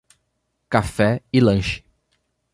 Café e lanche